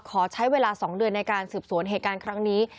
ขอใช้เวลา๒เดือนในการสืบสวนเหตุการณ์ครั้งนี้